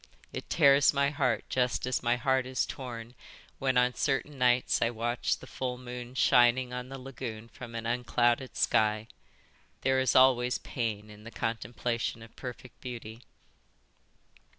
It tears my heart just as my heart is torn when on certain nights I watch the full moon shining on the lagoon from an unclouded sky. There is always pain in the contemplation of perfect beauty."